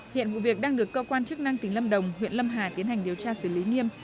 hiện vụ việc đang được cơ quan chức năng tỉnh lâm đồng huyện lâm hà tiến hành điều tra xử lý nghiêm